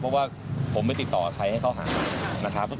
เพราะว่าผมไม่ติดต่อใครให้เขาหานะครับ